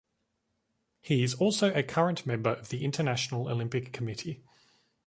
He is also a current member of the International Olympic Committee.